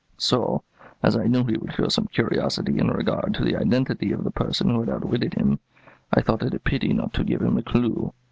So, as I knew he would feel some curiosity in regard to the identity of the person who had outwitted him, I thought it a pity not to give him a clew.